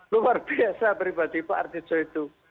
luar biasa pribadi pak artijo itu